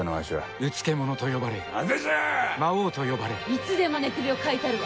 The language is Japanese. いつでも寝首をかいたるわ。